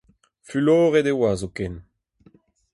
Fuloret e oa, zoken.